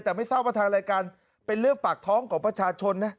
แต่ไม่ทราบว่าทางรายการเป็นเรื่องปากท้องของประชาชนนะ